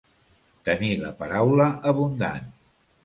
Tenir la paraula abundant.